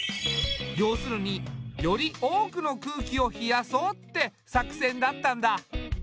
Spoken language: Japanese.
要するにより多くの空気を冷やそうって作戦だったんだ。